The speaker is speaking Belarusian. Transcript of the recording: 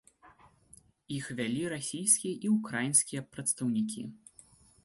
Іх вялі расійскія і ўкраінскія прадстаўнікі.